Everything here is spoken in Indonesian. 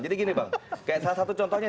jadi gini bang salah satu contohnya